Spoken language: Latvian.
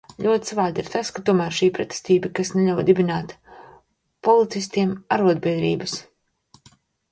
Ļoti savādi ir tas, ka tomēr ir šī pretestība, kas neļauj dibināt policistiem arodbiedrības.